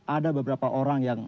ada beberapa orang yang